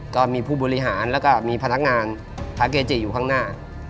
ก็มีผู้บริหารแล้วก็มีพนักงานพระเกจิอยู่ข้างหน้า